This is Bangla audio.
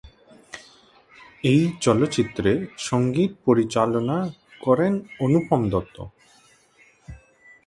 এই চলচ্চিত্রে সংগীত পরিচালনা করেন অনুপম দত্ত।